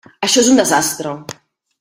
Això és un desastre.